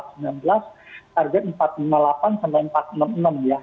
target empat ratus lima puluh delapan sampai empat ratus enam puluh enam ya